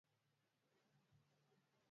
Wanafunzi wanacheka sana wakiwa pamoja